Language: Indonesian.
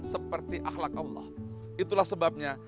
seperti akhlak allah itulah sebabnya